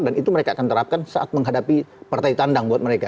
dan itu mereka akan terapkan saat menghadapi partai tandang buat mereka